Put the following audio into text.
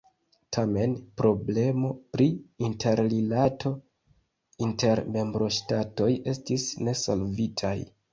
Tamen problemo pri interrilato inter membroŝtatoj estis ne solvita.